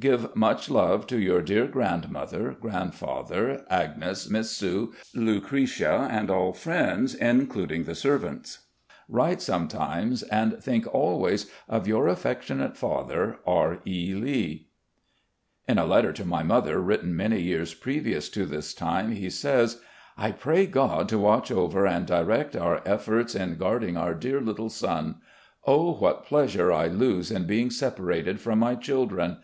Give much love to your dear grandmother, grandfather, Agnes, Miss Sue, Lucretia, and all friends, including the servants. Write sometimes, and think always of your Affectionate father, R. E. Lee." In a letter to my mother written many years previous to this time, he says :* His third daughter. t His son, Custis. i6 RECX)LLECTIONS OF GENERAL LEE "I pray God to watch over and direct our efforts in gtaarding our dear little son. ... Oh, what pleasure I lose in being separated from my children!